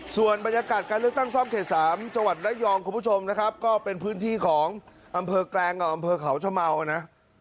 ส่วนบรรยากาศการเลือกตั้งซ่อมเขต๓จังหวัดระยองคุณผู้ชมนะครับก็เป็นพื้นที่ของอำเภอแกลงกับอำเภอเขาชะเมานะ